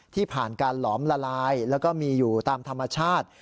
ที่ผ่านการหลอมละลายแล้วก็มีอยู่ตามธรรมชาติ